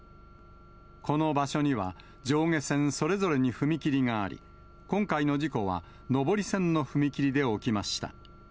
この場所には、上下線それぞれに踏切があり、今回の事故は、上り線の踏切で起きました。